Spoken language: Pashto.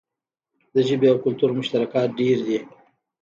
د ژبې او کلتور مشترکات ډیر دي.